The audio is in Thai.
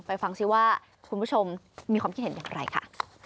ฟังซิว่าคุณผู้ชมมีความคิดเห็นอย่างไรค่ะ